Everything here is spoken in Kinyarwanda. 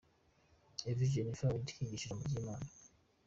Ev Jennifer Wilde yigisha ijambo ry'Imana.